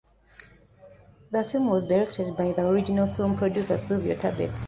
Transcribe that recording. The film was directed by the original film producer Sylvio Tabet.